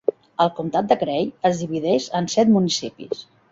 El comtat de Gray es divideix en set municipis.